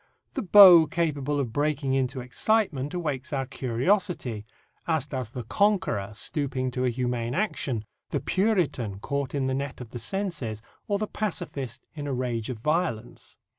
The beau capable of breaking into excitement awakens our curiosity, as does the conqueror stooping to a humane action, the Puritan caught in the net of the senses, or the pacifist in a rage of violence.